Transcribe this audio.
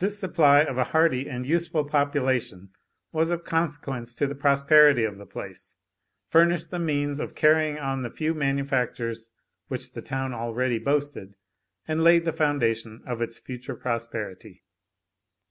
This supply of a hardy and useful population was of consequence to the prosperity of the place, furnished the means of carrying on the few manufactures which the town already boasted, and laid the foundation of its future prosperity.